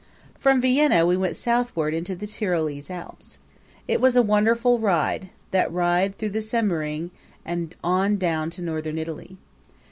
From Vienna we went southward into the Tyrolese Alps. It was a wonderful ride that ride through the Semmering and on down to Northern Italy.